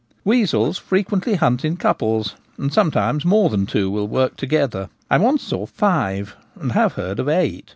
Weasels frequently hunt in couples, and sometimes more than two will work together. I once saw five, and have heard of eight.